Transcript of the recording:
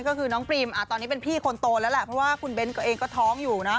ก็คือน้องปรีมตอนนี้เป็นพี่คนโตแล้วแหละเพราะว่าคุณเบ้นก็เองก็ท้องอยู่นะ